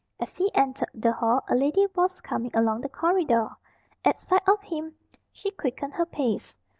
As he entered the hall a lady was coming along the corridor. At sight of him she quickened her pace.